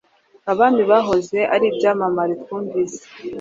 Abami bahoze ari ibyamamare twumvise